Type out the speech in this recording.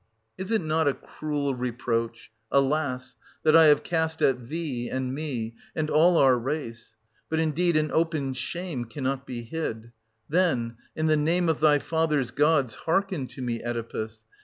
Is it not a cruel reproach — alas !— that I have cast at thee, and me, and all our race? But indeed an open shame cannot be hid ; then — in the name of thy fathers' gods, hearken to me, Oedipus